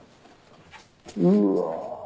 うわ。